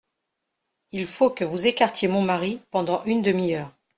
Il faut que vous écartiez mon mari pendant une demi-heure.